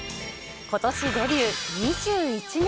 ことしデビュー２１年。